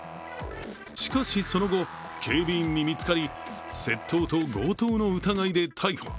しかしその後、警備員に見つかり窃盗と強盗の疑いで逮捕。